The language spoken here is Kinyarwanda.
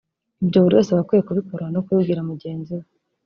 Ibyo buri wese aba akwiye kubikora no kubibwira mugenzi we